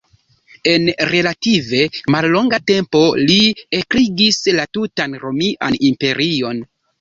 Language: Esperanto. En relative mallonga tempo li ekregis la tutan Romian Imperion.